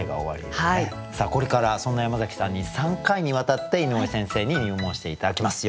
これからそんな山崎さんに３回にわたって井上先生に入門して頂きます。